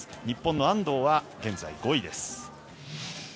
日本の安藤は現在、５位です。